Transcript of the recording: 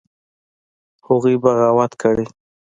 هغوى بغاوت کړى.